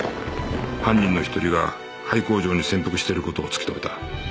犯人の１人が廃工場に潜伏している事を突き止めた